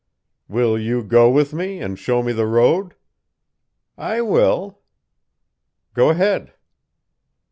"'Will you go with me, and show me the road?' "'I will.' "'Go ahead.'